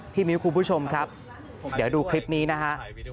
มิ้วคุณผู้ชมครับเดี๋ยวดูคลิปนี้นะฮะ